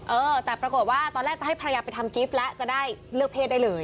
เออแต่ปรากฏว่าตอนแรกจะให้ภรรยาไปทำกิฟต์แล้วจะได้เลือกเพศได้เลย